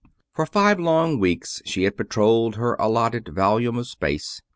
For five long weeks she had patrolled her allotted volume of space.